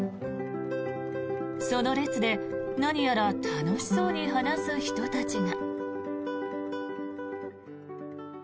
その列で何やら楽しそうに話す人たちが。